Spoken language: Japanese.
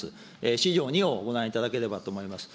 資料２をご覧いただければと思います。